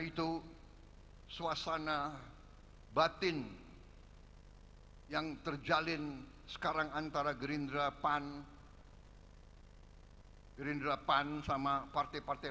itu suasana batin yang terjalin sekarang antara gerindra pan gerindra pan sama partai partai